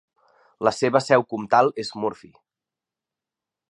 La seva seu comtal és Murphy.